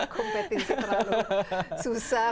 kompetisi terlalu susah